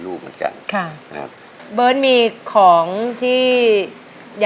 พ่อผมจะช่วยพ่อผมจะช่วยพ่อผมจะช่วย